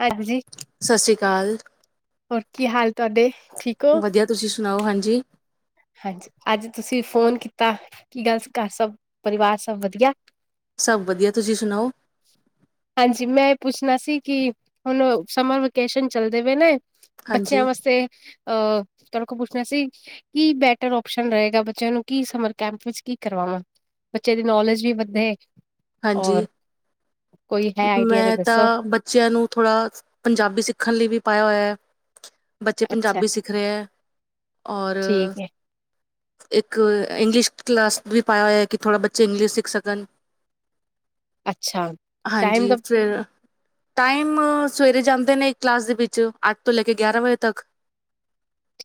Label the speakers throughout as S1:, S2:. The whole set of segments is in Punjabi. S1: ਹਾਂਜੀ,
S2: ਸਤਿ ਸ੍ਰੀ ਅਕਾਲ
S1: ਹੋਰ ਕੀ ਹਾਲ ਤੁਹਾਡੇ ਠੀਕ ਹੋ?
S2: ਵਧੀਆ ਤੁਸੀਂ ਸੁਣਾਓ ਹਾਂਜੀ ਜੀ
S1: ਅੱਜ ਤੁਸੀਂ ਫੋਨ ਕੀਤਾ ਕੀ ਗੱਲ ਸਭ ਪਰਿਵਾਰ ਸਭ ਵਧੀਆ
S2: ਸਭ ਵਧੀਆ ਤੁਸੀਂ ਸੁਣਾਓ
S1: ਹਾਂਜੀ ਮੈਂ ਇਹ ਪੁੱਛਣਾ ਸੀ ਕਿ ਹੁਣ ਸਮਰ ਵੇਕੇਸ਼ਨ ਚੱਲਦੇ ਪਏ ਨੇ ਬੱਚਿਆਂ
S2: ਹਾਂਜੀ
S1: ਵਾਸਤੇ ਤਰਕ ਬ ਸੀ ਕੀ ਬੈਟਰ ਓਸ਼ਨ ਰਹੇਗਾ ਬੱਚਿਆਂ ਨੂੰ ਕੀ ਸਮਰ ਕੈਂਪ ਵਿੱਚ ਕੀ ਕਰਵਾਵਾਂ ਬੱਚੇ ਦੀ ਨੌਲੇਜ ਵੀ ਵਧੇ
S2: ਹਾਂਜੀ
S1: ਔਰ ਕੋਈ ਹੈ ਆਈਡੀਆ
S2: ਮੈਂ
S1: ਦੱਸੋ
S2: ਤਾਂ ਬੱਚਿਆਂ ਨੂੰ ਥੋੜਾ ਪੰਜਾਬੀ ਸਿੱਖਣ ਲਈ ਵੀ ਪਾਇਆ ਹੋਇਆ [unintelligible] ਬੱਚੇ
S1: ਅੱਛਾ
S2: ਪੰਜਾਬੀ ਸਿੱਖ ਰਹੇ ਹੈ ਔਰ
S1: ਠੀਕ ਹੈ
S2: ਇੱਕ ਇੰਗਲਿਸ਼ ਕਲਾਸ ਵੀ ਪਾਇਆ ਹੋਇਆ ਕਿ ਥੋੜ੍ਹਾ ਬੱਚੇ ਇੰਗਲਿਸ਼ ਸਿੱਖ ਸਕਣ
S1: ਅੱਛਾ ਟਾਈਮ
S2: ਹਾਂਜੀ
S1: ਦਾ
S2: ਫਿਰ ਟਾਈਮ ਸਵੇਰੇ ਜਾਂਦੇ ਨੇ ਇੱਕ ਕਲਾਸ ਦੇ ਵਿੱਚ ਅੱਠ ਤੋਂ ਲੈ ਕੇ ਗਿਆਰਾਂ ਵਜੇ ਤੱਕ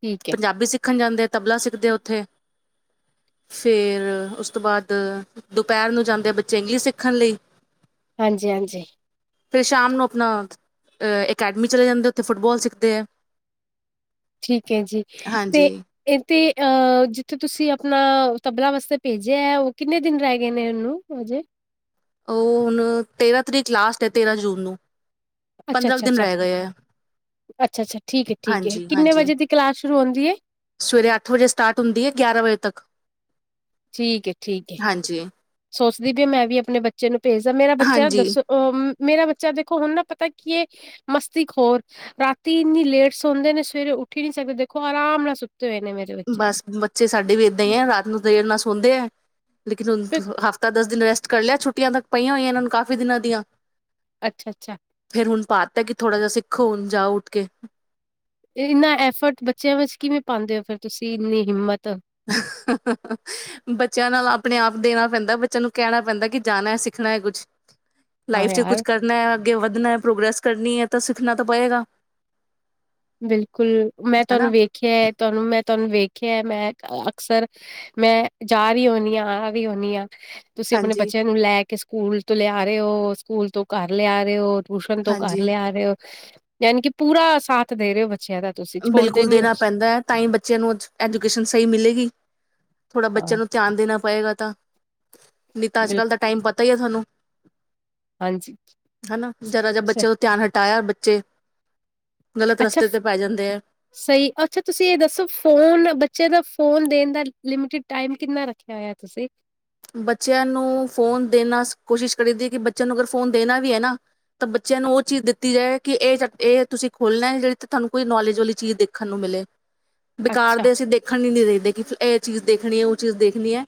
S1: ਠੀਕ ਹੈ
S2: ਪੰਜਾਬੀ ਸਿੱਖ ਸਿੱਖਣ ਜਾਂਦੇ ਤਬਲਾ ਸਿੱਖਦੇ ਉੱਥੇ ਫੇਰ ਉਸ ਤੋਂ ਬਾਅਦ ਦੁਪਹਿਰ ਨੂੰ ਜਾਂਦੇ ਬੱਚ ਚੰਗੀ ਸਿੱਖਣ ਲਈ
S1: ਹਾਂਜੀ ਹਾਂਜੀ
S2: ਫਿਰ ਸ਼ਾਮ ਨੂੰ ਆਪਣਾ ਅਕੈਡਮੀ ਚਲੇ ਜਾਂਦੇ ਉੱਥੇ ਫੁੱਟਬਾਲ ਸਿੱਖਦੇ ਹੈ
S1: ਠੀਕ ਹੈ ਜੀ ਤੇ
S2: ਹਾਂਜੀ।
S1: ਇ ਤੇ ਜਿੱਥੇ ਤੁਸੀਂ ਆਪਣਾ ਤਬਲਾ ਵਾਸਤੇ ਭੇਜਿਆ ਹੈ ਉਹ ਕਿੰਨੇ ਦਿਨ ਰਹਿ ਗਏ ਨੇ ਇਹਨੂੰ ਹਜੇ
S2: ਉਹ ਹੁਣ ਤੇਰਾਂ ਤਰੀਕ ਲਾਸਟ ਹੈ ਤੇਰਾਂ ਜੂਨ ਨੂੰ ਪੰਦਰਾਂ ਕੁ ਦਿਨ
S1: ਅੱਛਾ-ਅੱਛਾ-ਅੱਛਾ,
S2: ਰਹਿ ਗਏ ਹੈ
S1: ਅੱਛਾ-ਅੱਛਾ ਠੀਕ ਹੈ-ਠੀਕ ਹੈ,
S2: ਹਾਂਜੀ
S1: ਕਿੰਨੇ
S2: ਹਾਂਜੀ
S1: ਵਜੇ ਦੀ ਕਲਾਸ ਸ਼ੁਰੂ ਹੁੰਦੀ ਏ?
S2: ਸਵੇਰੇ ਅੱਠ ਵਜੇ ਸਟਾਰਟ ਹੁੰਦੀ ਹੈ ਗਿਆਰਾਂ ਵਜੇ ਤੱਕ
S1: ਠੀਕ ਹੈ ਠੀਕ ਹੈ
S2: ਹਾਂਜੀ।
S1: ਸੋਚਦੀ ਵੀ ਮੈਂ ਵੀ ਆਪਣੇ ਬੱਚੇ ਨੂੰ ਭੇਜਦਾ ਮੇਰਾ ਬੱਚਾ
S2: ਹਾਂਜੀ
S1: ਦੱਸੋ ਮੇਰਾ ਬੱਚਾ ਦੇਖੋ ਹੁਣ ਨਾ ਪਤਾ ਕੀ ਇਹ ਮਸਤੀ ਖ ਹੋਰ ਰਾਤੀ ਇੰਨੀ ਲੇਟ ਸੌਦੇ ਨੇ ਸਵੇਰੇ ਉੱਠੀ ਨਹੀਂ ਸਕਦੇ ਦੇਖੋ ਆਰਾਮ ਨਾਲ ਸੁੱਤੇ ਹੋਏ ਨੇ ਮੇਰੇ ਬੱਚੇ।
S2: ਬਸ ਬੱਚੇ ਸਾਡੇ ਵੀ ਏਦਾਂ ਹੀ ਹੈ, ਰਾਤ ਨੂੰ ਦੇਰ ਨਾਲ ਸੌਦੇ ਹੈ। ਲੇਕਿਨ ਹੁਣ ਹਫ਼ਤਾ ਦਸ ਦਿਨ ਵੈਸ ਕਰ ਲਿਆ ਛੁੱਟੀਆਂ ਤੱਕ ਪਈਆਂ ਹੋਈਆਂ ਇਹਨਾਂ ਨੂੰ ਕਾਫੀ ਦਿਨਾਂ ਦੀਆਂ
S1: ਅੱਛਾ-ਅੱਛਾ,
S2: ਫੇਰ ਹੁਣ ਪਾਤਾ ਕਿ ਥੋੜ੍ਹਾ ਜਿਹਾ ਸਿੱਖੋ ਹੁਣ ਜਾ ਉੱਠ ਕੇ,
S1: ਇਨਾ ਐਫਰਟ ਬੱਚਿਆਂ ਵਿੱਚ ਕਿਵੇਂ ਪਾਦੇ ਹੋ ਫਿਰ ਤੁਸੀਂ, ਇੰਨੀ ਹਿੰਮਤ
S2: ਬੱਚਿਆਂ ਨਾਲ ਆਪਣੇ ਆਪ ਦੇਣਾ ਪੈਂਦਾ ਬੱਚਿਆਂ ਨੂੰ ਕਹਿਣਾ ਪੈਂਦਾ ਕਿ ਜਾਣਾ ਐ ਸਿੱਖਣਾ ਹੈ ਕੁਛ
S1: ਹਾਂ
S2: ਲਾਈਫ ਚ
S1: ਯਾਰ।
S2: ਕੁਛ ਕਰਨਾ ਹੈ, ਅੱਗੇ ਵਧਣਾ ਪ੍ਰੋਗਰੈਸ ਕਰਨੀ ਹੈ, ਤਾਂ ਸਿੱਖਣਾ ਤਾਂ ਪਏਗਾ।
S1: ਬਿਲਕੁਲ ਮੈਂ
S2: ਹਨਾ।
S1: ਤੁਹਾਨੂੰ ਵੇਖਿਆ ਹੈ ਤੁਹਾਨੂੰ ਮੈਂ ਤੁਹਾਨੂੰ ਵੇਖਿਆ ਮੈਂ ਅਕਸਰ ਮੈਂ ਜਾ ਰਹੀ ਹੁਨੀ ਹਾਂ ਆ ਰਹੀ ਹੁਨੀ ਹਾਂ। ਤੁਸੀਂ ਆਪਣੇ
S2: ਹਾਂਜੀ
S1: ਬੱਚਿਆਂ ਨੂੰ ਲੈ ਕੇ ਸਕੂਲ ਤੋਂ ਲਿਆ ਰਹੇ ਹੋ ਸਕੂਲ ਤੋਂ ਘਰ ਲਿਆ ਰਹੇ ਹੋ। ਟਿਊਸ਼ਨ ਤੋਂ ਘਰ
S2: ਹਾਂਜੀ।
S1: ਲਿਆ ਆ ਰਹੇ ਹੋ। ਯਾਨੀ ਕਿ ਪੂਰਾ ਸਾਥ ਦੇ ਰਹੇ ਹੋ, ਬੱਚਿਆਂ ਦਾ ਤੁਸੀਂ, ਛੋੜਦੇ
S2: ਬਿਲਕੁਲ
S1: ਨੀ ਹੋ
S2: ਦੇਣਾ
S1: ਤੁਸੀਂ।
S2: ਪੈਂਦਾ ਹੈ, ਤਾਂ ਹੀ ਬੱਚਿਆਂ ਨੂੰ ਅਝਜ ਐਜੂਕੇਸ਼ਨ ਸਹੀ ਮਿਲੇਗੀ, ਥੋੜ੍ਹਾ ਬੱਚਿਆਂ
S1: ਹਾਂ,
S2: ਨੂੰ ਧਿਆਨ ਦੇਣਾ ਪਏਗਾ ਤਾਂ। ਨਹੀਂ ਤਾਂ ਅੱਜ ਕੱਲ੍ਹ ਦਾ
S1: ਬਿਲਕੁਲ,
S2: ਟਾਈਮ ਪਤਾ ਹੀ ਆ ਥੋਨੂੰ,
S1: ਹਾਂਜੀ।
S2: ਹਨਾ ਜ਼ਰਾ ਜਿਹਾ
S1: ਸ
S2: ਬੱਚੇ ਤੋਂ ਧਿਆਨ ਹਟਾਇਆ, ਬ ਜੇ, ਗਲਤ
S1: ਅੱਛਾ
S2: ਰਸਤੇ ਤੇ ਪੈ ਜਾਂਦਾ।
S1: ਸਹੀ ਅੱਛਾ ਤੁਸੀਂ ਇਹ ਦੱਸੋ ਫੋਨ ਬੱਚਿਆਂ ਦਾ ਫੋਨ, ਦੇਣ ਦਾ ਲਿਮਿਟਡ ਟਾਈਮ ਕਿੰਨਾ ਰੱਖਿਆ ਹੋਆ ਤੁਸੀਂ
S2: ਬੱਚਿਆਂ ਨੂੰ ਫ਼ੋਨ ਦੇਣਾ ਕੋਸ਼ਿਸ਼ ਕਰੀ ਦੀ ਹੈ ਕਿ ਬੱਚਿਆਂ ਨੂੰ ਅਗਰ ਫੋਨ ਦੇਣਾ ਵੀ ਹੈ ਨਾ ਤਾਂ ਬੱਚਿਆਂ ਨੂੰ ਉਹ ਚੀਜ਼ ਦਿੱਤੀ ਜਾਏ, ਕਿ ਇਹ ਇਹ ਤੁਸੀਂ ਖੋਲਣਾ ਜਿਹੜੀ ਤੁਹਾਨੂੰ ਕੋਈ ਨੌਲੇਜ ਵਾਲੀ ਚੀਜ਼ ਦੇਖਣ ਨੂੰ ਮਿਲੇ। ਬੇਕਾਰ
S1: ਅੱਛਾ,
S2: ਦੇ ਅਸੀਂ ਦੇਖਣ ਹੀ ਨੀ ਦਈ ਐ ਕਿ ਫੇਰ ਇਹ, ਚੀਜ਼ ਦੇਖਣੀ ਹੈ ਉਹ ਚੀਜ਼ ਦੇਖਣੀ ਹੈ।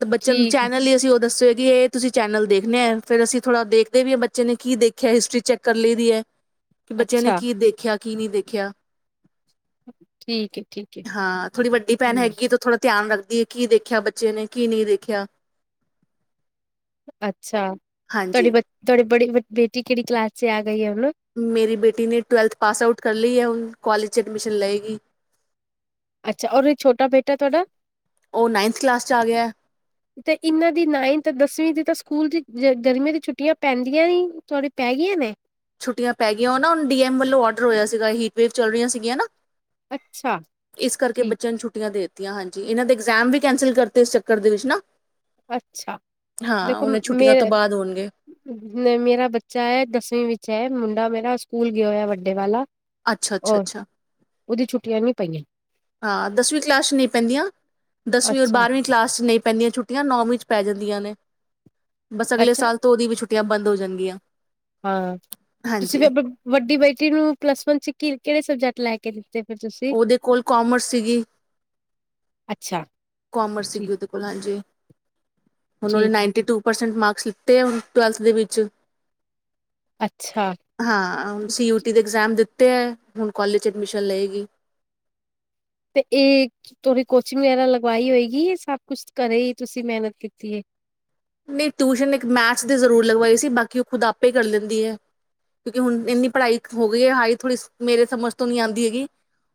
S2: ਤੇ ਬੱਚਿਆ ਨੂੰ
S1: ਠੀਕ ਐ,
S2: ਚੈਨਲ ਹੀ ਅਸੀਂ ਉਹ ਦੱਸੇ। ਕਿ ਇਹ ਤੁਸੀਂ ਚੈਨਲ ਦੇਖਣੇ ਹੈ, ਫੇਰ ਅਸੀਂ ਥੋੜ੍ਹਾ ਦੇਖਦੇ ਵੀ ਹੈ, ਬੱਚੇ ਨੇ ਕੀ ਦੇਖਿਆ ਹਿਸਟਰੀ ਚੈੱਕ ਕਰ ਲਈ ਦੀ ਹੈ। ਕਿ ਬੱਚਿਆਂ ਨੇ
S1: ਅੱਛਾ,
S2: ਕੀ ਦੇਖਿਆ। ਕੀ ਨਹੀਂ ਦੇਖਿਆ।
S1: ਠੀਕ ਐ, ਠੀਕ ਐ।
S2: ਹਾਂ ਥੋੜੀ ਵੱਡੀ ਭੈਣ
S1: ਹੂੰ,
S2: ਹੈਗੀ ਤੇ ਥੋੜਾ ਧਿਆਨ ਰੱਖ ਕੀ ਦੇਖਿਆ ਬ ਬੱਚੇ ਨੇ ਕੀ ਨਹੀਂ ਦੇਖਿਆ।
S1: ਅੱਛਾ ਤੁਹਾਡੀੇ
S2: ਹਾਂਜੀ
S1: ਵੀ ਤੁਹਾਡੇ ਬੜ ਬੇਟੀ ਕਿੜੀ ਕਲਾਸ ਚ ਆ ਗਈ ਹੈ ਹੁਣ
S2: ਮੇਰੀ ਬੇਟੀ ਨੇ ਟਵਲਥ ਪਾਸ ਆਊਟ ਕਰ ਲਈ ਹੈੁ ਕਾਲਜ ਚ ਐਡਮਿਸ਼ਨ ਲਏਗੀ
S1: ਅੱਛਾ ਔਰ ਇਹ ਛੋਟਾ ਬੇਟਾ ਤੁਹਾਡਾ
S2: ਉਹ ਨਾਈਨਥ ਕਲਾਸ 'ਚ ਆ ਗਿਆ
S1: ਤੇ ਇਹਨਾਂ ਦੀ ਨਾਈਨਥ ਦਸਵੀਂ ਦੀ ਤਾਂ ਸਕੂਲ ਚ ਗਰਮੀਆਂ ਦੀ ਛੁੱਟੀਆਂ ਪੈਂਦੀਆਂ ਹੀ ਥੋੜੀਆਂ ਪੈ ਗਈਆਂ ਨੇ
S2: ਛੁੱਟ ਪੈ ਗਈ ਉਹ ਨਾ ਹੁਣ ਡੀਐਮ ਵੱਲੋਂ ਡਰ ਹੋਇਆ ਸੀਗਾ ਹੀਟਵੇੇਵ ਚੱਲ ਰਹੀ ਸੀਗੀਆਂ ਨਾ
S1: ਅੱਛਾ
S2: ਇਸ ਕਰਕੇ
S1: ਠੀਕ
S2: ਬੱਚਿਆਂ ਨੂੰ ਛੁੱਟੀਆਂ ਦੇ ਦਿੱ ਆਂ ਹਾਂਜੀ ਇਹਨਾਂ ਦੇ ਇਗਜ਼ਾਮ ਵੀ ਕੈਂਸਲ ਕਰਤੇ ਇਸ ਚੱਕਰ ਦੇ ਵਿੱਚ ਨਾ
S1: ਅੱਛਾ
S2: ਹਾਂ
S1: ਦੇਖੋ
S2: ਉਹਨੇ
S1: ਮੇ
S2: ਛੁੱਟੀਆਂ ਤੋਂ ਬਾਅਦ ਹੋਣਗੇ
S1: ਮੇਰਾ ਬੱਚਾ ਹੈ ਦਸਵੀਂ ਵਿੱਚ ਅਛਾ ਮੁੰਡਾ ਮੇਰਾ ਸਕੂਲ ਗਿਆ ਹੋਇਆ ਵੱਡੇ ਵਾਲਾ
S2: ਅੱਛਾ
S1: ਔਰ
S2: ਅੱਛਾੱ
S1: ਉਹਦੀ ਛੁੱਟੀਆਂ ਨੀ ਪਈਆਂ
S2: ਦਸਵੀਂ ਕਲਾਸ ਚਚ ਨਹੀਂ ਪੈਂਦੀਆਂ ਦਸਵੀਂ ਔਰ
S1: ਅੱਛਾ
S2: ਬਾਰਵੀਂ ਕਲਾਸ ਚਚ ਨਹੀਂ ਪੈਂਦੀਆਂ ਛੁਟੀਆਂ ਨੌਵੀਂ ਪੈ ਜਾਂਦੀਆਂ ਨੇ ਬਸ ਅਗਲੇ
S1: ਅੱਛਾ
S2: ਸਾਲ ਤੋਂ ਉਹਦੀ ਵੀ ਛੁੱਟੀਆਂ ਬੰਦ ਹੋ ਜਾ ਜਾਂਦੀਆਂ
S1: ਹਾਂ ਤੁਸੀਂ ਵੀ ਆਪ ਵੱਡੀ ਬੇਟੀ ਨੂੰ ਪਲੱਸ ਵਨ ਸ ਕਿ ਕਿਹੜੇ ਸਬਜੈਕਟ ਲੈ ਕੇ ਦਿੱਤੇ ਫਿਰ ਤੁਸੀਂ
S2: ਉਹਦੇ ਕੋਲ ਕਾਮਰਸ ਸੀਗੀ
S1: ਅੱਛਾ
S2: ਕੋਮਰਸ
S1: ਠੀਕ
S2: ਸੀਗੀ ਉਹਦੇ ਕੋਲ ਹਾਂਜੀ ਉਹ ਨੇ
S1: ਠੀਕ ਹੈ
S2: ਨਾਈਨਟੀ ਟੂ ਪਰਸੈਂਟ ਮਾਰਕ ਲਿੱਤੇ ਆ ਹੁਣ ਟਵੈਲਥ ਦੇ ਵਿੱਚ
S1: ਅੱਛਾ
S2: ਹਾਂ ਸੀ ਯੂਟੀ ਦੇ ਐਗਜ਼ਾਮ ਦਿੱਤੇ ੱਟ ਹੁਣ ਕਾਲਜ ਚ ਐਡਮਿਸ਼ਨ ਲਏਗੀ
S1: ਤੇ ਇਹ ਤੁਹਾਡੀ ਕੋਚਿੰਗ ਵਗੈਰਾ ਲਗਵਾਈ ਹੋਏਗੀ ਸਭ ਕੁਛ ਕਰੇ ਹੀ ਤੁਸੀਂ ਮਿਹਨਤ ਕੀਤੀ ਹੈ
S2: ਨਹੀਂ ਟਿਊਸ਼ਨ ਇੱਕ ਮੈਥਸ ਦੀ ਜ਼ਰੂਰ ਲਗਵਾਈ ਸੀ ਬਾਕੀ ਉਹ ਖੁਦ ਆਪੇ ਕਰ ਲੈਂਦੀ ਹੈ ਕਿਉਂਕਿ ਹੁ ਇੰਨੀ ਪੜ੍ਹਾਈ ਹੋ ਗਈ ਹਜੀ ਥੋੜ੍ਹੀ ਮੇਰੇ ਸਮਝ ਤੋਂ ਨਹੀਂੀ ਆਉਂਦੀ ਹੈਗੀ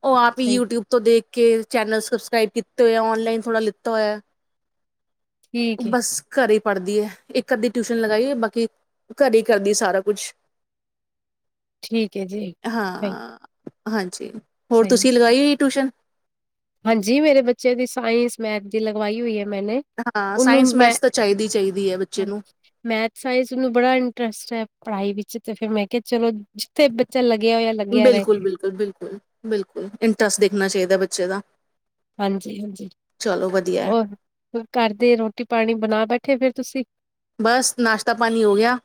S2: ਉਹ ਆਪ ਹੀ
S1: ਸਹੀ
S2: ਯੂਟਿਊਬ ਤੋਂ ਦੇਖ ਕੇ ਚੈਨਲ ਸਬਕ੍ਰਬ ਕੀਤੇ ਹੋਏ ਨਲਾਈਨ ਥੋੜਾ ਲਿੱਤਾ ਹੋਇਆ
S1: ਠੀਕ ਏ
S2: ਬਸ ਘਰੇ ਪੜ੍ਹਦੀ ਹੈ ਇੱਕ ਅੱਧੀ ਟਿਊਸ਼ਨ ਲਗਾਈਏ ਬਾਕੀ ਘਰ ਕਰਦੀ ਸਾਰਾ ਕੁਛ
S1: ਠੀਕ ਹੈ ਜੀ ਸਹੀ
S2: ਹਾਂ ਹਾਂਜੀ ਜ ਹੋਰ
S1: ਸਹੀ
S2: ਤੁਸੀਂ
S1: ਹੈ।
S2: ਲਗਾਈ ਹੋਈ ਟਿਊਸ਼ਨ
S1: ਹਾਂਜੀ ਮੇਰੇ ਬੱਚਿਆਂ ਦੀ ਸਾਇੰਸ ਮੈਥ ਦੀ ਲਗਵਾਈ ਹੋਈ ਹੈ ਮ
S2: ਹਾਂ
S1: ਨੂੰ
S2: ਸਾਇੰਸ
S1: ਮ
S2: ਮੈਥ ਤਾਂ ਚਾਹੀਦੀ ਚਾਹੀਦੀ ਹੈ ਬੱਚੇ ਨੂੰ
S1: ਮੈਥ ਸਾਇੰਸਨੂੰ ਬੜਾ ਇੰਟਰਸਟ ਹੈ ਪੜ੍ਹਾਈ ਵਿੱਚ ਤੇ ਫਿਰਰ ਮੈਂ ਕਿਹਾ ਚਲੋ ਜਿੱਥੇ ਬੱਚਾ ਲੱ
S2: ਬਿਲਕੁਲ ਬਿਲਕੁਲ ਬਿਲਕੁਲ ਬਿਲਕੁਲ ਇੰਟਰਸਟ ਦੇਖਣਾ ਚਾਹੀਦਾ ਬ ਬੱਚੇ ਦਾ
S1: ਹਾਂਜੀ ਹਾਂਜੀ
S2: ਚਲੋ ਵਧੀਆ ਹੈ
S1: ਹੋਰ ਘਰ ਦੇ ਰੋਟੀ ਪਾਣੀ ਬਣਾ ਬੈਠੇ ਫਿਰ ਤੁਸੀਂ
S2: ਬਸ ਨਾਸ਼ਤਾ ਪਾਣੀ ਹੋ ਗਿਆ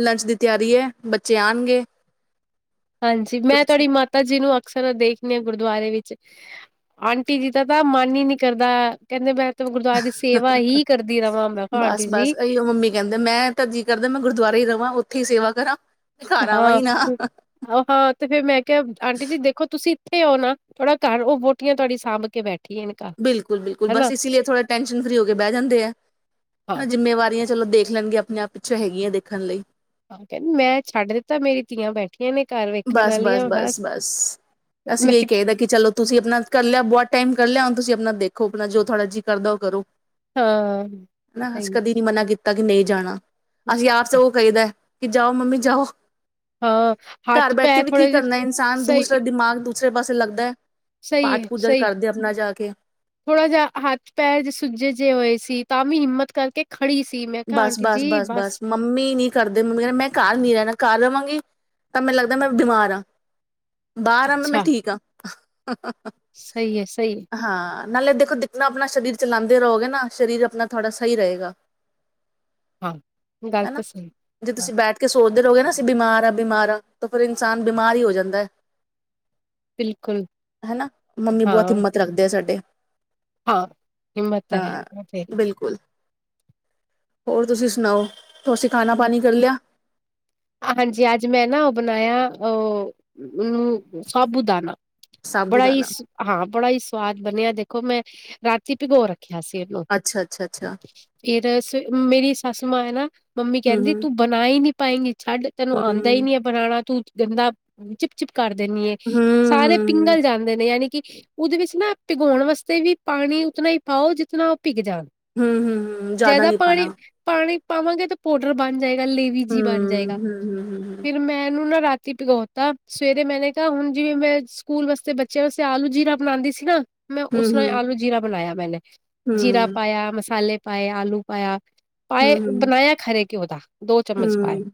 S2: ਲੰਚ ਦੀ ਤਿਆਰੀ ਹੈ ਬੱਚੇ ਆਉਣਗੇ
S1: ਹਾਂਜੀ ਮੈਂ ਤੁਹਾਡੀ ਮਾਤਾ ਜੀ ਨੂੰ ਅਕਸਰ ਦੇਖਦੇ ਆ ਗੁਰਦੁਆਰੇ ਵਿੱਚ ਆਂਟੀ ਜੀ ਦਾ ਤਾਂ ਮਨ ਹੀ ਨੀ ਕਰਦਾ ਕਹਿੰਦੇ ਬੈਂ ਮੈਂ ਕਿਹਾ
S2: ਬਸ
S1: ਆਂਟੀ
S2: ਬਸ
S1: ਜੀ
S2: ਇਹੀਓ ਮੰਮੀ ਕਹਿੰਦੇ ਮੈਂ ਤਾਂਰਜੀ ਕਰਦਾ ਮੈਂ ਗੁਰਦੁਆਰਾ ਹੀ ਰਵਾਂ [unintelligible] ਸੇਵਾ ਕਰਾਂ ਘਰ ਆਵਾਂ
S1: ਹਾਂ
S2: ਹੀ ਨਾ
S1: ਹਾਂ ਤੇ ਫੇਿਰ ਮੈਂ ਕਿਹਾ ਆਂਟੀ ਜੀ ਦੇਖੋ ਤੁਸੀਂ ਥੇ ਉਹ ਨਾ ਥੋੜਾ ਘਰ ਉਹ ਬੋਟੀਆਂ ਤੁਹਾਡੀ ਸਾਂਭ ਕੇ ਬੈਠੇ
S2: ਬਿਲਕੁਲ ਬਿਲਕੁਲ ਬਸ ਇਸ ਲਈ ਥੋੜਾ ਟੈਸ਼ਨ ਫਰੀ ਹੋ ਕੇ ਬਹਿ ਜਾਂਦੇ ਆ
S1: ਹਾਂ
S2: ਹਨ ਜਿੰਮੇਵਾਰੀਆਂ ਚਲੋ ਦੇਖ ਲੈਣਗੇ ਆਪਣੇ ਆਪ ਪਿੱਛੋਂ ਹੈਗੀੀਆਂ ਦੇਖਣ ਲਈ
S1: ਹਾਂ ਕਹਿੰਦੀ ਮੈਂ ਛੱਡ ਦਿੱਤਾ ਮੇਰੀ ਧੀਆਂ ਬੈਠ
S2: ਬਸ ਬਸ ਬਸ ਬਸ ਅਸੀਂ
S1: ਮੈਂ
S2: ਵੀਹੀ
S1: ਕਿਹਾ
S2: ਕਾਦਾ ਕਿ ਚਲੋ ਤੁਸੀਂ ਆਪਣਾ ਕਰ ਲਿਆ ਬਹੁਤ ਟਾਈਮ ਕਰ ਲਿਆ ਹੁਣ ਤੁਸੀਂ ਆਪਣਾ ਦੇਖ [unintelligible] ਆਪਣਾ ਜੋ ਥੋੜ੍ਹਾ ਜਿਹੀ ਕਰਦਾ ਉਹ ਕਰੋ
S1: ਹਾਂ
S2: ਨਾ ਅ
S1: ਸਹੀ
S2: ਕਦੀ ਨੀ ਮਨਾ ਕੀਤਾ ਤ ਕਿ ਨਹੀਂ ਜਾਣਾ ਅਸੀਂ ਆਪ ਚ ਉਹ ਕਹਹੀਦਾ ਕਿ ਜਾਓ ਮੰਮੀ ਜਾਓ
S1: ਹਾਂ
S2: ਘਰ
S1: ਹੱਥ
S2: ਬੈਠ ਕੇ
S1: ਪੈ
S2: ਵੀ ਕੀ
S1: ਥੋੜੇ ਜਿਹੇ
S2: ਕਰਨਾ ਇਨਸਾਨ
S1: ਸਹੀ
S2: ਦੂਸਰਾ ਦਿਮਾਗ ਦੂ ਦਸਰੇ ਪਾਸੇ ਲੱਗਦਾ
S1: ਸਹੀ ਹੈ
S2: ਪਾਠ ਪੂਜਾ
S1: ਸਹੀ
S2: ਕਰਦੇ ਆਪਣਾ ਜਾ ਕੇ
S1: ਥੋੜਾ ਜਿ ਹੱਥ ਪੈਰ ਜੇ ਸੁੱਜੇ ਜਿਹੇ ਹੋਏ ਸੀ ਤਾਂ ਵੀ ਹਿੰਮਤ ਕਰਕੇ ਖੜੀ ਸੀ ਮੈਂ ਕਿਹਾ
S2: ਬਸ
S1: ਆਂਟੀ
S2: ਬਸ
S1: ਜੀ
S2: ਬਸ ਬਸ ਮੰਮੀ ਨੀ ਕਰਦੇ ਮੰਮੀ ਕਹਿੰਦੇ ਮੈਂ ਘਰ ਨੀ ਰਹਿਣਾ ਘ ਰਵਾਂਗੀ ਤਾਂ ਮੈਨੂੰ ਲੱਗਦਾ ਮੈਂ ਬਿਮਾਰ ਹਾਂ ਬਾਹਰ ਆ ਮ ਮੈਂ
S1: ਅੱਛਾ
S2: ਠੀਕ ਹਾਂ [unintelligible]
S1: ਸਹੀ ਹੈ ਸਹੀ ਹੈ
S2: ਹਾਂ ਨਾਲੇ ਦੇਖੋ ਦੇਖਣਾ ਆਪਣਾ ਸਰੀਰ ਚਲਾਉਂਦੇ ਰਹੋਗੇ ਨਾ ਸਰੀਰ ਆਪਣਾ ਥੋੜ੍ਹਾ ਸਹੀ ਰਹੇਗਾ
S1: ਹਾਂ ਗੱਲ
S2: ਹਨਾ
S1: ਤਾਂ ਸਹੀ
S2: ਜੇ
S1: ਹਾਂ
S2: ਤੁਸੀਂ ਬੈਠ ਕੇ ਸੋਚ ਉਧਰ ਹੋ ਗਏ ਨਾ [unintelligible] ਅਸੀਂ ਬਿਮਾਰ ਆਾਂ ਬਿਮਾਰ ਆਾਂ ਤੇ ਫਿਰ ਇਨਸਾਨ ਬਿਮਾਰ ਹੀ ਹੋ ਜਾਂਦਾ ਹੈ
S1: ਬਿਲਕੁਲ
S2: ਹੈਨਾ ਮੰਮੀ ਬਹੁਤ
S1: ਹਾਂ
S2: ਹਿੰਮਤ ਰੱਖਦੇ ਆ ਸਾਡੇ
S1: ਹਾਂ ਹਿੰਮਤ ਤਾਂ
S2: ਹਾਂ
S1: ਹੈਤ
S2: ਬਿਲਕੁਲ ਹੋਰ ਤੁਸੀਂ ਸੁਣਾਓ ੋੇ ਖਾ [unintelligible] ਪਾਣੀ ਕਰ ਲਿਆ
S1: ਹਾਂਜੀ ਅੱਜ ਮੈਂ ਨਾ ਉਹ ਬਣਾਇਆ ਉਹ ਉਹਨੂੰ ਸਾਬੂ ਦਾਨਾ ਬੜਾ ਹੀ
S2: ਸਾਬੂਦਾਨਾ
S1: ਸ ਹਾਂ ਬੜਾ ਹੀ ਸ ਸਵਾਦ ਬਣਿਆ ਦੇਖੋ ਮੈਂ ਰਾਤੀ ਭਿਗੋ ਰ ਖਿਆ ਸੀ ਇਹਨੂੰ
S2: ਅੱਛਾ ਅੱਛਾ ਅੱਛਾ
S1: ਫਿਰ ਮੇਰੀ ਸੱਸ ਮਾਂ ਹੈ ਨਾ ਮੰਮੀ
S2: ਹਮ
S1: ਕਹਿੰਦੀ ਤੂੰ ਬਣਾਈ ਨੀ ਪਾਏਂਗੀ ਛੱਡ ਤੈਨੂੰ
S2: ਹਮ
S1: ਆਉਂਦਾ ਹੀ ਨੀ ਹੈ ਬਉਣਾ ਤੂੰ ਗੰਦਾ ਚਿਪ ਚਿਪ ਕਰ ਦਿੰਦੀ ਹੈ
S2: ਹਮ ਹਮ
S1: ਸਾਰੇ
S2: ਹਮ
S1: ਪਿੰਗਲ ਜਾਂਦੇ ਨੇ ਯਾਨੀ ਕਿ ਉਹਦੇ ਵਿੱਚ ਨਾ ਭੀਗਾਉਣ ਵਾਸਤੇ ਵੀ ਪਾਣੀ ਉਤਨਾ ਹੀ ਪਾਓ ਜਿਤਨਾ ਭਿਗ ਜਾਣ
S2: ਹਮ ਹਮ ਹਮ ਜ਼ਿਆਦਾ
S1: ਜਿਆਦਾ
S2: ਨੀ ਪਾਣਾ
S1: ਪਾਣੀ ਪਾਣੀ ਪਾਵਾਂਗੇ ਤੇ ਪੋਡਰ ਬਣ ਜਾਏਗਾ ਗੱਲ ਲੇਵੀ
S2: ਹੂੰ,
S1: ਜੀ ਬਣ ਜਾਏ [unintelligible]
S2: ਹੂੰ, ਹੂੰ,
S1: ਫਿਰ ਮੈਂ ਇਹਨੂੰ ਨਾ ਰਾਤੀ ਭਿਗੋਤਾ ਸਵੇਰੇ ਮੈਂਨੇ ਕਿਹਾ ਹੁਣ ਜਿਵੇਂ ਮੈਂ ਸਕੂਲ ਵਾਸਤੇ ਬੱਚਿਆਂ ਵਾਸਤੇ ਆਲੂ ਜੀਰਾ ਬਣਾਉਂਦੀ ਸੀ ਨਾ ਮੈਂ
S2: ਹੂੰ,
S1: ਉਸਰ੍ਹਾਂ
S2: ਹੂੰ,
S1: ਆਲੂ ਜੀਰਾ ਬਣਾਇਆ ਮੈਨੇ ਜੀਰਾ
S2: ਹੂੰ,
S1: ਪਾਇਆ ਮਸਾਲੇ ਪਾਏ ਆਲੂ ਪਾਇਆ
S2: ਹੂੰ,
S1: ਪਾਏ
S2: ਹੂੰ,
S1: ਬਣਾਇਆ ਖਰੇ ਕਿ ਉਹਂਦਾ [unintelligible] ਦੋ ਚਮਚ ਪਾਏ
S2: ਹੂੰ,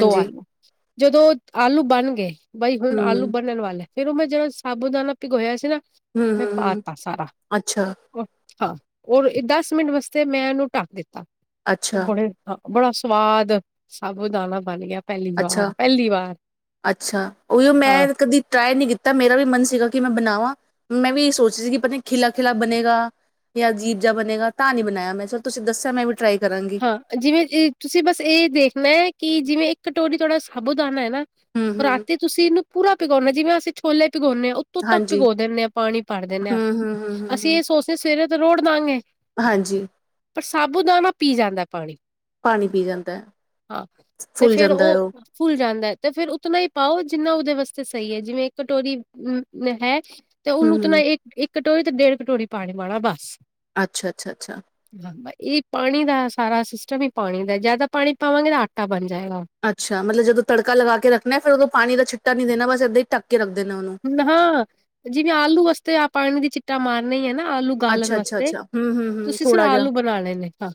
S1: ਦੋ ਆਈ ਜਦੋਂ ਆਲੂ ਬਣ ਗਏ ਬਾਈ ਹੁਣ ਆਲੂ
S2: ਹੂੰ,
S1: ਬਣਣ ਵਾਲੇ ਫੇਰ ਉਹ ਮੈਂ ਜਿਹੜਾ ਸਾਬੂਦਾਨਣਾ ਭਿਗੋਇਆ ਸੀ ਨਾ
S2: ਹਮ
S1: ਮੈਂ
S2: ਹਮ ਹਮ
S1: ਪਾਤਾ ਸਾਰਾ
S2: ਅੱਛਾ
S1: ਔਰ ਹਾਂ ਓਰ ਦਸ ਮਿੰਟ ਵਾਸਤੇ ਮੈਂ ਇਹਨੂੰ ਢੱਕ ਦਿੱਤਾ ਉਹ
S2: ਅੱਛਾ,
S1: ਬੜ [unintelligible] ਬੜਾ ਸਵਾਦ ਅਭੂ ਦਾਣਾ ਬਣ ਗਿਆ ਪਹਿਲੀ ਵਾਰ
S2: ਅੱਛਾ
S1: ਪਹਿਲੀ ਵਾਰ
S2: ਅੱਛਾ ਉਹੀਓ ਮੈਂ
S1: ਹਾਂ।
S2: ਕਦੀ ਟਰਾਈ ਨਹੀਂ ਕੀਤਾ ਮੇਰਾ ਵੀ ਮਨ ਸੀਗਾ ਕਿ ਮੈਂ ਬਣਾਵਾਂ ਮੈਂ ਵੀ ਇਹ ਸੋਚਦੀ ਸੀ ਕਿ ਪਤਾ ਨ ਖਿਲਾ ਖਿਲਾ ਬਣੇਗਾ ਜਾਂ ਜੀਪ ਜ ਬਣੇਗਾ ਤਾਂ ਨਹੀਂੀ ਬਣਾਇਆ ਮੈਂ ਚਲ ਤੁਸੀਂ ਦੱਸਿਆ ਮੈਂ ਵੀ ਟਰਾਈ ਕਰਾਂਗੀ
S1: ਹਾਂ ਜਿਵੇਂ ਤੁਸੀਂ ਬਸ ਇਹ ਦੇਖਣਾ ਹੈ ਕਿ ਜਿਵੇਂ ਇੱਕ ਕਟੋਲੀ ਹਾੋੜਾ ਸਾਬੁਦਾਨਣਾ ਹੈ ਨਾ
S2: ਹੂੰ, ਹੂੰ,
S1: ਰਾਤੇ ਤੁਸੀਂ ਇਹਨੂੰ ਪੂਰਾ ਕਰਉਨਾ ਜਿਵੇਂ ਅਸੀਂਛੋਲੇ ਭਿਕਾਉਂਦੇ ਹਾਂ ਉੱਤੋਂ ਤੱਕ
S2: ਹਾਂਜੀ,
S1: ਭਿਗਾ ਦਿੰਦੇ ਹਾਂ ਪਾਣੀ ਭਰ ਦਿੰਦੇ ਹਾਂ
S2: ਹੂੰ, ਹੂੰ, ਹੂੰ, ਹੂੰ,
S1: ਅਸੀਂ
S2: ਹੂੰ,
S1: ਇਹ ਸੋਚਦੇ ਸਵੇਰੇ ਰੋਡ ਦਾਂਗੇ
S2: ਹਾਂਜੀ
S1: ਸਾਬੂਦਾਨ ਪੀ ਜਾਂਦਾ ਪਾਣੀ
S2: ਪਾਣੀ ਪੀ ਜਾਂਦਾ ਹੈ,
S1: ਹਾਂ ਤੇ
S2: ਫੁੱਲ
S1: ਫੇਿਰ
S2: ਜਾਂਦਾ ਹੈ
S1: ਉਹ ਫੁੱਲ ਜਾਂਦਾ ਤੇ ਫੇਿਰ ਉਤਨਾ ਹੀ ਪਾਓ ਜਿੰਨਾ ਉਹਦੇ ਵਾਸ ਸਹੀ ਹੈ ਜਿਵੇਂ ਕਟੋਰੀ ਅਮ ਹੈ ਤੇ
S2: ਹੂੰ,
S1: ਉਹਨੂੰਤਣਾ
S2: ਹੂੰ,
S1: ਇੱਕ ਕਟੋਰੀ ਤੇ ਡੇਢ ਕਟੋਰੀ ਪਾਣੀ ਵਾਲਾ ਬਸ
S2: ਅੱਛਾ ਅੱਛਾ ਅੱਛਾ
S1: ਇਹ ਪਾਣੀ ਦਾ ਸਾਰਾ ਸਿਸਟਮ ਹੀ ਪਾਣੀ ਦਾ ਜਿਆਦਾ ਪਾਣੀ ਪਾਵਾਂਗੇ ਤਾਂ ਆਟਾ ਬਣ ਜਾਏਗਾ।
S2: ਅੱਛਾ ਮਤਲਬ ਜਦੋਂ ਤੜਕਾ ਲਗਾ ਕੇ ਰੱਖਣਾ ਫਰ ਉਦੋਂ ਪਾਣੀ ਦਾ ਛ ਨੀ ਦੇਣਾ ਬਸ ਇਏਾਂ ਹੀ ਟੱਕ
S1: ਨਾਾਂ ਜਿਵੇਂ ਆਲੂ ਵਾਸਤੇ ਆ ਪਾਣੀ ਦੀ ਚਿੱ ਮਾਰਨ ਹੀ ਨਾ ਆਲੂ ਗਾਲਣ
S2: ਅੱਛਾ, ਅੱਛਾ,
S1: ਵਾਸਤੇ
S2: ਅੱਛਾ ਹੂੰ, ਹੂੰ, ਹੂੰ
S1: ਤੁਸੀਂ ਫਿਰ
S2: ਥੋੜਾ ਜਿਹਾ
S1: ਆਲੂ ਬਣਾ ਲਣੇ ਨੇ ਹਾਂ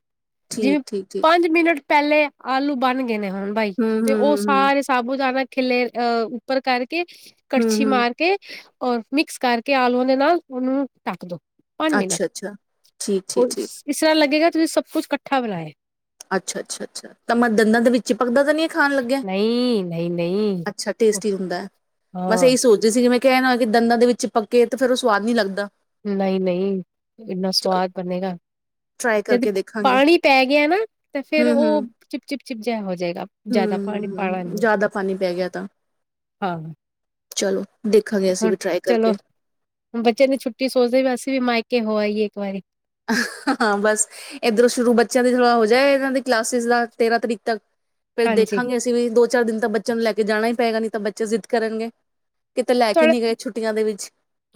S1: ਜਿਵੇਂ
S2: ਠੀਕ, ਠੀਕ, ਠੀਕ
S1: ਪੰਜ ਮਿੰਟ ਪਹਿਲੇ ਆਲੂ ਬਣ ਗਏ ਨੇ ਹ ਬਾਈ
S2: ਹੂੰ,
S1: ਤੇ
S2: ਹੂੰ,
S1: ਉਹ
S2: ਹੂੰ,
S1: ਸਾਰੇ ਸਾਬੂ ਜਾਿਆਦਾ ਖਲੇ ਅਹ ਉੱਪਰ ਕਰਕੇ
S2: ਹੂੰ, ਹੂੰ,
S1: ਅੱਛੀ
S2: ਹੂੰ
S1: ਮਾਰ ਕੇ ਔਰ ਮਿਕਸ ਕਰਕੇ ਆਲੂਆਂ ਦੇ ਨਾਲ ਉਹਨੂੰ ਟਢੱਕ ਦਿਉ ਪੰਜ ਮਿੰਟ
S2: ਅੱਛਾ, ਅੱਛਾ ਠੀਕ,
S1: ਉਹ
S2: ਠੀਕ, ਠੀਕ
S1: ਇਸ ਤਰ੍ਹਾਂ ਲੱਗੇਗਾ ਸ ਕੁਛਝੱਠਾ ਬਣਾਇਆ
S2: ਅੱਛਾ ਅੱਛਾ ਅੱਛਾ ਤਾਂ ਮੈਂ ਦੰਦਾਂ ਦੇ ਵਿੱਚ ਹੀ ਪੱਕਦਾ ਤਾਂ ਨੀ ਖਾਣ ਲੱਗਿਆ?
S1: ਨਹੀਂ ਨਹੀਂ ਨਹੀਂ
S2: ਤ ਰਦਾ ਬਸ
S1: ਹਾਂ
S2: ਇਹੀ ਸੋਚਦੀ ਸੀ ਕਿ ਮੈਂ ਕਹਿਣ ਆ ਕਿ ਦੰਦਾਂ ਦੇ ਵਿੱਚ ਪੱਕੇ ਤੇ ਫਿਰਰ ਉਹ ਸਵਾਦ ਨੀ ਲੱਗਦਾ
S1: ਨਹੀਂ ਨਹੀਂ ਇੰਨਾ
S2: ਚਲੋ
S1: ਸਵਾਦ ਬਣੇਗਾ
S2: ਟਰਾਈ
S1: ਜਦ
S2: ਕਰਕੇ ਦੇਖਾਂਗੇ
S1: ਪਾਣੀ ਪੈ ਗਿਆ ਨਾ ਤਾਂ ਫੇਰ
S2: ਹੂੰ, ਹੂੰ,
S1: ਉਹ
S2: ਹੂੰ,
S1: ਚਿਪ ਚਿਪ ਚਿਪ ਜਿਹਾ ਹੋ ਜਾਏਗਾ ਜ਼ਿਆਦਾ ਪਾਣੀ
S2: ਹੂੰ,
S1: ਪਾਣਾ
S2: ਹੂੰ
S1: ਨੀ
S2: ਜ਼ਿਆਦਾ ਪਾਣੀ ਪੈ ਗਿਆ ਤਾਂ
S1: ਹਾਂ
S2: ਚਲੋ ਦੇਖਾਂਗੇ ਅਸੀਂ
S1: ਹੁਣ
S2: ਵੀ ਟਰਾਈ
S1: ਚਲੋ
S2: ਕਰਕੇ
S1: ਬੱਚੇ ਨੇ ਛੁੱਟੀ ਸੋਚਦੇ ਵੀ ਵੈਸੇ ਵੀ ਮਾਇਕੇ ਕੇ ਹੋ ਆਈਏ ਇੱਕ ਵਾਰੀ
S2: ਹਾਂ ਬਸ ਇੱਧਰ ਸ਼ੁਰੂ ਬੱਚਿਆਂ ਦੀ ਥੋੜਾ ਹੋ ਜਾਏਗਾ ਵੀ ਕਲਾਸਿਸ ਦਾ ਤੇਰਾਂ ਤਰੀਕ ਤੱਕ ਫਿਰ
S1: ਹਾਂਜੀ
S2: ਦੇਖਾਂਗੇ ਅਸੀਂ ਵੀ ਦੋ ਚਾਰ ਦਿਨ ਤਾਂ ਬੱਚਿਆਂ ਨੂੰ ਲੈ ਕੇ ਜਾਣਾ ਹੀ ਪਏਗਾ ਨਹੀਂ ਤਾਂ ਬੱਚੇ ਜ਼ਿੱਦ ਕਰਨਗੇ। ਕਿਤੇ ਲੈ ਕੇ
S1: ਥੋੜਾ
S2: ਨਹੀਂ ਗਏ ਛੁੱਟੀਆਂ ਦੇ ਵਿੱਚ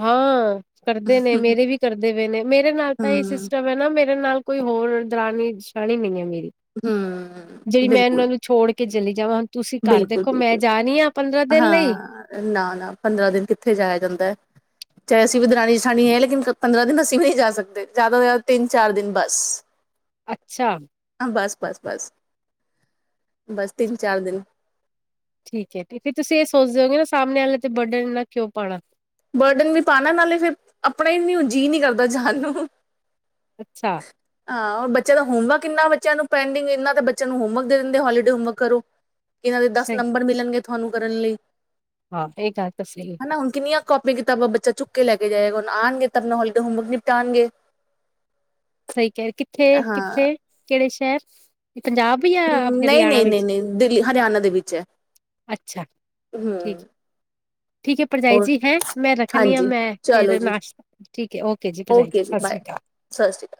S1: ਹਾਂ ਕਰਦੇ ਨੇ ਮੇਰੇ ਵੀ ਕਰਦੇ ਪਏ ਨੇ ਮੇਰੇ ਨਾਲ ਇਹ ਹੀ
S2: ਹਮ
S1: ਸਿਸਟਮ ਹੈ ਨਾ ਮੇਰੇ ਨਾਲ ਕੋਈ ਹੋਰ ਦਰਾਨੀ ਸ਼ਰਾਣੀ ਨਹੀਂ ਹੈ ਮੇਰੀ
S2: ਹੂੰ
S1: ਜਿਹੜੀ ਮੈਂ
S2: ਬਿਲਕੁਲ
S1: ਇਹਨਾਂ ਨੂੰ ਛੋੜ ਕੇ ਚਲੀ ਜਾਵਾਂ ਹੁਣ ਤੁਸੀਂ ਘਰ
S2: ਬਿਲਕੁਲ
S1: ਦੇਖੋ ਮੈਂ
S2: ਬਿਲਕੁਲ
S1: ਜਾ ਰਹੀ ਹਾਂ ਪੰਦਰਾਂ ਦਿਨ ਲਈ
S2: ਹਾਂ ਨਾ ਨਾ ਪੰਦਰਾਂ ਦਿਨ ਕਿੱਥੇ ਜਾਇਆ ਜਾਂਦਾ ਏ ਚਾਹੇ ਅਸੀਂ ਵੀ ਦਰਾਨੀ ਜਠਾਣੀ ਹੈ ਲੇਕਿਨ ਪੰਦਰਾਂ ਦਿਨ ਅਸੀਂ ਵੀ ਨਹੀਂ ਜਾ ਸਕਦੇ ਜ਼ਿਆਦਾ ਤੋਂ ਜ਼ਿਆਦਾ ਤਿੰਨ ਚਾਰ ਦਿਨ ਬਸ
S1: ਅੱਛਾ
S2: ਹਾਂ ਬਸ ਬਸ ਬਸ ਬਸ ਤਿੰਨ ਚਾਰ ਦਿਨ
S1: ਠੀਕ ਹੈ ਫੇਰ ਤੁਸੀਂ ਇਹ ਸੋਚਦੇ ਹੋਗੇ ਨਾ ਸਾਹਮਣੇ ਵਾਲੇ ਤੇ ਬਰਡਨ ਨਾ ਕਿਉਂ ਪਾਣਾ
S2: ਬਰਡਨ ਵੀ ਪਾਣਾ ਨਾਲੇ ਫਿਰ ਆਪਣਾ ਹੀ ਨੀ ਹੁਣ ਜੀਅ ਨਹੀਂ ਕਰਦਾ ਜਾਣ ਨੂੰ
S1: ਅੱਛਾ
S2: ਹਾਂ ਬੱਚਿਆਂ ਦਾ ਹੋਮਵਰਕ ਇੰਨਾ ਬੱਚਿਆਂ ਨੂੰ ਪੈਂਡਿੰਗ ਇੰਨਾ ਤੇ ਬੱਚਿਆਂ ਨੂੰ ਹੋਮਵਰਕ ਦੇ ਦਿੰਦੇ ਹੋਲੀਡੇ ਹੋਮਵਰਕ ਕਰੋ। ਇਹਨਾਂ ਦੇ ਦਸ
S1: ਸਹੀ
S2: ਨੰਬਰ ਮਿਲਣਗੇ ਤੁਹਾਨੂੰ ਕਰਨ ਲਈ
S1: ਹਾਂ ਇਹ ਗਲ ਤਾਂ ਸਹੀ ਏ
S2: ਕਾਪੀ ਕਿਤਾਬ ਬੱਚਾ ਚੁੱਕ ਕੇ ਲੈ ਕੇ ਜਾਏਗਾ ਉਹਨੂੰ ਆਣਗੇ ਤਾਂ ਆਪਣਾ ਹੋਲੀਡ ਹੋਮਵਰਕ ਨਿਪਟਾਉਣਗੇ।
S1: ਸਹੀ ਕਹਿ ਕਿੱਥੇ ਕਿੱਥੇ ਕਿਹੜੇ ਸ਼ਹਿਰ [inaudible] ਪੰਜਾਬ ਯਾ
S2: ਨਹੀਂ
S1: ਹਰਿਆਣਾ
S2: ਨਹੀਂ ਨਹੀਂ
S1: ਵਿੱਚ
S2: ਨਹੀਂ ਦਿੱਲੀ ਹਰਿਆਣਾ ਦੇ ਵਿੱਚ ਹੈ।
S1: ਅੱਛਾ
S2: ਹੂੰ
S1: ਠੀਕ ਠੀਕ ਭਰਜਾਈ
S2: ਹੋਰ
S1: ਜੀ ਹੈ ਮੈਂ ਰੱਖਣੀ ਆ
S2: ਹਾਂਜੀ
S1: ਮੈਂ
S2: ਚਲੋ
S1: ਫਿਰ
S2: ਜੀ
S1: ਨਾਸ਼ ਠੀਕ ਹੈ ਓਕੇ ਜੀ ਭਰਜਾਈ ਜੀ ਸਤਿ ਸ੍ਰੀ ਅਕਾਲ।
S2: ਸ੍ਰੀ ਅਕਾਲ।